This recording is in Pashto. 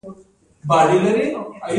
د پلچرخي صنعتي پارک فعال دی